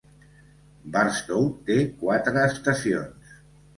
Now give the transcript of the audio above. Barstow té quatre estacions.